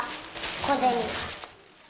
小銭。